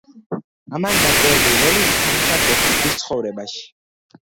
ამან გარკვეული როლი ითამაშა ბესიკის ცხოვრებაში.